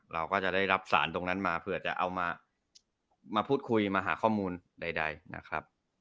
เราก็จะได้รับสารตรงนั้นมาเผื่อจะเอามาพูดคุยมาหาข้อมูลใดนะครับ